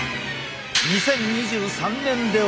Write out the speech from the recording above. ２０２３年では！